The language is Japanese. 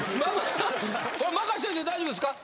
任しといて大丈夫ですか？